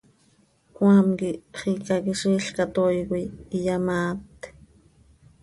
Cmaam quih xicaquiziil catooi coi iyamaaat.